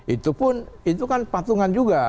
itu pun itu kan patungan juga